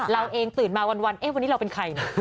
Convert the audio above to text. เราเองตื่นมาวันเอ๊ะวันนี้เราเป็นใครนะ